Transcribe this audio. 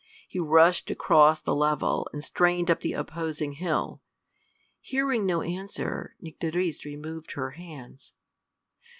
He rushed across the level, and strained up the opposing hill. Hearing no answer, Nycteris removed her hands.